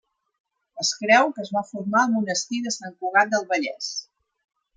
Es creu que es va formar al Monestir de Sant Cugat del Vallès.